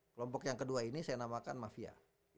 kelompok yang kedua ini saya namakan mafia